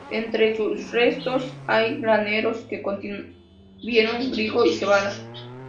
Entre sus restos hay graneros, que contuvieron trigo y cebada.